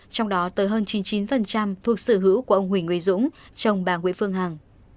trong đó tới hơn chín mươi chín thuộc sở hữu của ông huỳnh uy dũng chồng bà nguyễn phương hằng